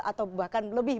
atau bahkan lebih